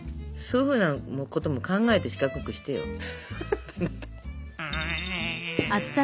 そういうふうなことも考えて四角くしてよ。